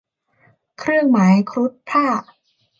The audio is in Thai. เครื่องหมายครุฑพ่าห์